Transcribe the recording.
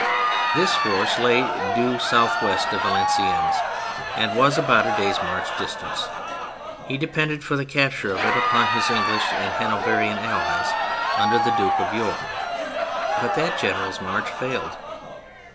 This force lay due south west of Valen ciennes, and about a day's march distant. He depended for the capture of it upon his English and Hanoverian Allies under the Duke of York, but that general's march failed.